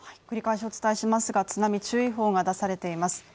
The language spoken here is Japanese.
繰り返しお伝えしますが津波注意報が出されています。